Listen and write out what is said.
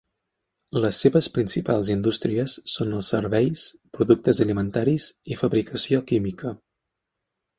Les seves principals indústries són els serveis, productes alimentaris i fabricació química.